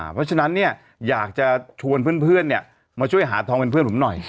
เพราะฉะนั้นเนี่ยอยากจะชวนเพื่อนมาช่วยหาทองเป็นเพื่อนผมหน่อย